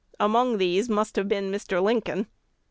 Among these must have been Mr. Lincoln.